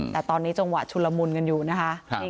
แต่ตอนนี้จังหวะชุนละมุนกันอยู่นะคะ